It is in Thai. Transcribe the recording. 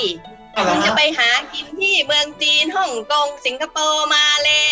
คุณจะไปหากินที่เมืองจีนฮ่องกงสิงคโปร์มาแล้ว